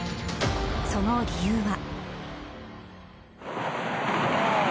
その理由は。